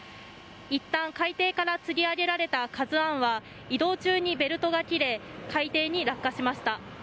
いったん海底からつり上げられた「ＫＡＺＵ１」は移動中にベルトが切れ海底に落下しました。